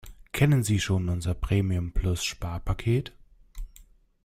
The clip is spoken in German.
Kennen Sie schon unser Premium-Plus-Sparpaket?